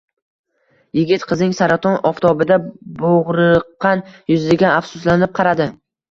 Yigit qizning saraton oftobida boʼgʼriqqan yuziga afsuslanib qaradi.